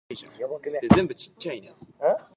The women did not know of his presence.